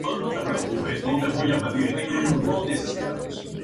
Se encuentra en la República de Palau, las Filipinas y Indonesia.